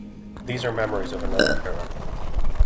These are memories of another era.